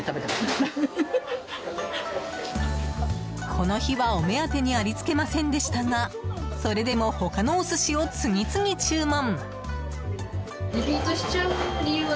この日は、お目当てにありつけませんでしたがそれでも他のお寿司を次々注文。